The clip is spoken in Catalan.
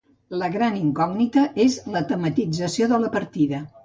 La gran incògnita és la tematització de la partida.